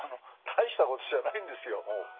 大したことじゃないんですよ。